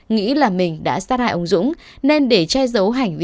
nghĩ là mình đã sát hại ông dũng nên để che giấu hành vi